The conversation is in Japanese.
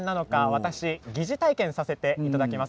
私も疑似体験させていただきます。